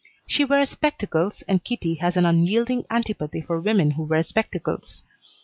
She wears spectacles, and Kitty has an unyielding antipathy for women who wear spectacles.